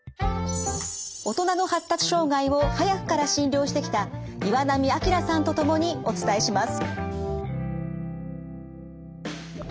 大人の発達障害を早くから診療してきた岩波明さんと共にお伝えします。